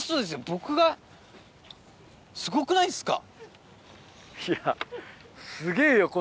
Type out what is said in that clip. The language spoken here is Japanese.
僕がすごくないですか？